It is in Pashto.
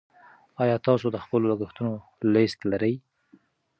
ایا تاسو د خپلو لګښتونو لیست لرئ.